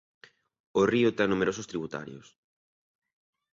O río ten numerosos tributarios.